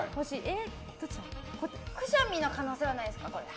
くしゃみの可能性はないですか。